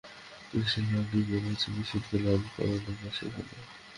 Machine learning মানে হচ্ছে মেশিনকে লার্ন করানো বা শেখানো।